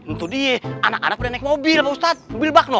untuk dia anak anak udah naik mobil pak ustad mobil bak no